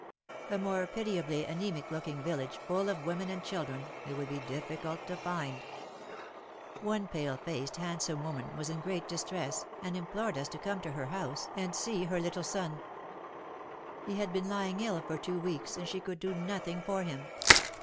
A more pitiably anaemic looking village full of women and children, it would be difficult to find. One pale faced, handsome woman was in great distress, and implored us to come to her WAR AND WOMEN 183 house and see her Httle son. He had been lying ill for two weeks, and she could do nothing for him.